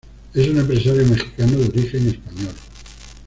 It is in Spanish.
Es un empresario mexicano de origen español.